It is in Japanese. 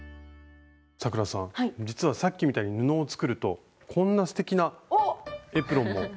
咲楽さん実はさっきみたいに布を作るとこんなすてきなエプロンも作ることができるんですよ。